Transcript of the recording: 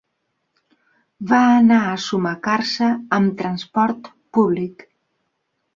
Va anar a Sumacàrcer amb transport públic.